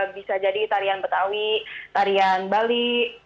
bisa jadi tarian betawi tarian bali